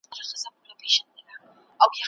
لمر خپلې زرینې وړانګې پر زخمونو شیندي.